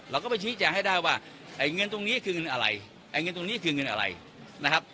เราก็ไปชี้แจงให้ได้ว่าไอ้เงินตรงนี้คือเงินอะไรไอ้เงินตรงนี้คือเงินอะไรนะครับ